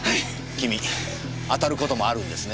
君当たる事もあるんですね。